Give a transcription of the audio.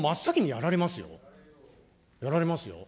やられますよ。